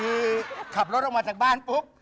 คือขับรถเรากลัวมาจากบ้านปุ๊บ